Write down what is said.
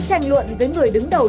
tranh luận với người đứng đầu